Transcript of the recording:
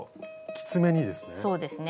きつめにですね。